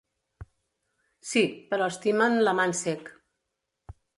Sí, però estimen l'amant cec.